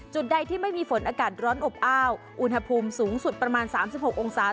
ใดที่ไม่มีฝนอากาศร้อนอบอ้าวอุณหภูมิสูงสุดประมาณ๓๖องศา